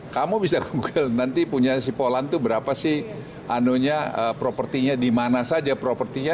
kamu bisa google nanti punya si polan itu berapa sih anunya propertinya dimana saja propertinya